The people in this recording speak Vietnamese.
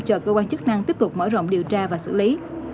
cho cơ quan chức năng tích cực mở rộng điều tra và xử lý